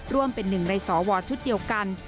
ร่วมเป็นหนึ่งในสวชุดเดียวกัน